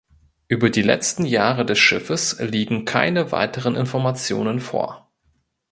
Über die letzten Jahre des Schiffes liegen keine weiteren Informationen vor.